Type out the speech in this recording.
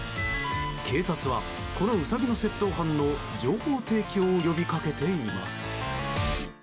警察はこのウサギの窃盗犯の情報提供を呼び掛けています。